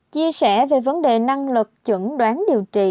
chia sẻ về vấn đề năng lực chẩn đoán điều trị